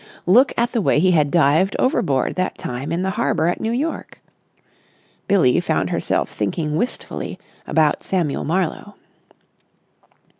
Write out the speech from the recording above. Look at the way he had dived overboard that time in the harbour at New York! Billie found herself thinking wistfully about Samuel Marlowe.